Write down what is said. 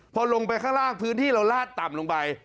พอลงไปข้างล่างพื้นที่เราลาดต่ำลงไป